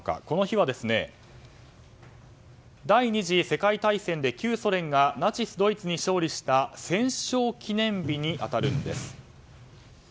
この日は、第２次世界大戦で旧ソ連がナチスドイツに勝利した戦勝記念日に当たるんです。